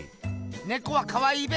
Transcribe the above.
ネコはかわいいべ。